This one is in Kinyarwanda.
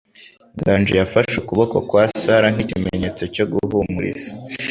Nganji yafashe ukuboko kwa Sara nk'ikimenyetso cyo guhumuriza.